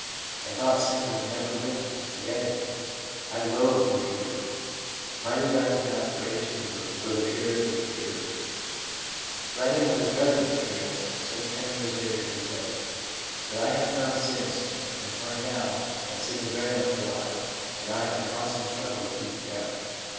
I thought sin would never live again in me. I loathed impurity ; my desires and aspirations were for the purest of the pure/ Writing of his present experience, some ten years later, he says :* But I have found since and find now that sin is very much alive, and I have a constant struggle to keep it down.